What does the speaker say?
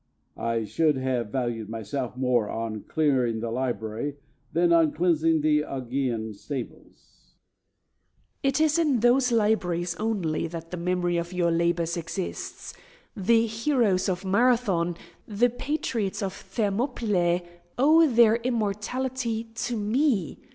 I should have valued myself more on clearing the library than on cleansing the Augean stables. Cadmus. It is in those libraries only that the memory of your labours exists. The heroes of Marathon, the patriots of Thermopylae, owe their immortality to me.